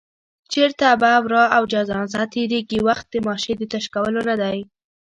چېرته به ورا او جنازه تېرېږي، وخت د ماشې د تش کولو نه دی